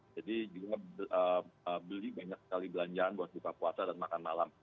jadi juga beli banyak sekali belanjaan buat buka puasa dan makan malam